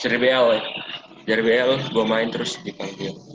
seri b a o ya seri b a o gue main terus dipanggil